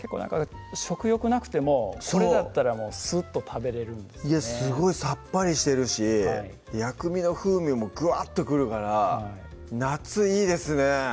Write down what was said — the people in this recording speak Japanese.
食欲なくてもこれだったらすっと食べれるんですねすごいさっぱりしてるし薬味の風味もぐわっとくるから夏いいですね